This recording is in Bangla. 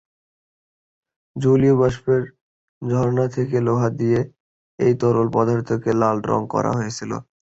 জলীয়বাষ্পের ঝরনা থেকে লোহা দিয়ে এই তরল পদার্থকে লাল রং করা হয়েছিল।